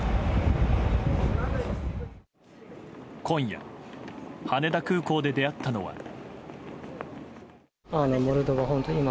今夜、羽田空港で出会ったのは。